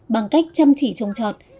bằng cách chăm chỉ trồng trọt